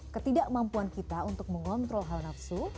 ketidakmampuan kita untuk mengontrol hal nafsu